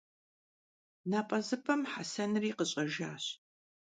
Nap'ezıp'em Hesenri khış'ejjaş.